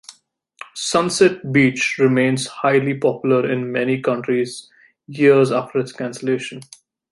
"Sunset Beach" remains highly popular in many countries years after its cancellation.